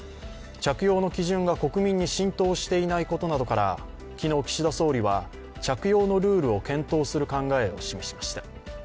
着用の基準が国民に浸透していないことなどから昨日、岸田総理は着用のルールを検討する考えを示しました。